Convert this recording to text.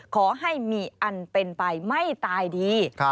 ขอให้มีอันเป็นไปไม่ตายดี